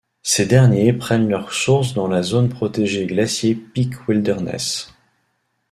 Ces derniers prennent leurs sources dans la zone protégée Glacier Peak Wilderness.